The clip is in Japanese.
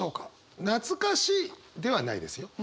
「懐かしい」ではないですよ。